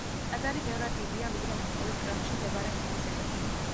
ტაძარი ბევრად დიდია ვიდრე მოსკოვის კრემლში მდებარე მისი სეხნია.